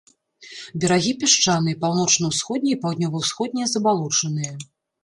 Берагі пясчаныя, паўночна-ўсходнія і паўднёва-ўсходнія забалочаныя.